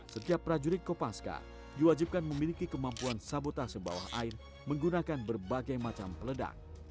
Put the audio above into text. setiap prajurit kopaska diwajibkan memiliki kemampuan sabotase bawah air menggunakan berbagai macam peledak